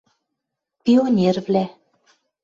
Пионервлӓ